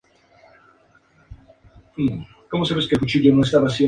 Campeonato de Noruega de Ciclismo Contrarreloj